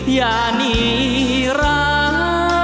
อย่านิรัก